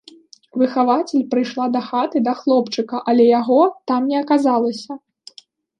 Выхавацель прыйшла дахаты да хлопчыка, але яго там не аказалася.